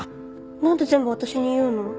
なんで全部私に言うの？